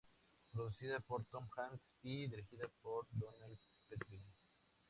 Producida por Tom Hanks y dirigida por Donald Petrie.